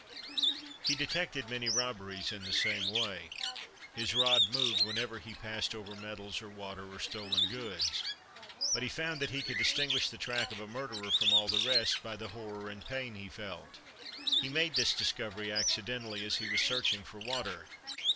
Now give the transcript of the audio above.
He detected many robberies in the same way. His rod moved whenever he passed over metals or water, or stolen goods; but he found that he could distinguish the track of a murderer from all the rest, by the horror and pain he felt. He made this discovery accidentally, as he was searching for water.